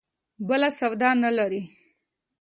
بله سودا نه لري.